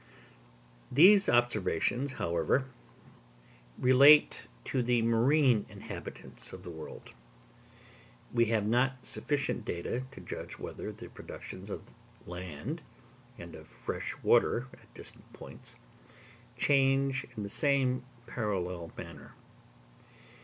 These observations, however, relate to the marine inhabitants of the world: we have not sufficient data to judge whether the productions of the land and of fresh water at distant points change in the same parallel manner.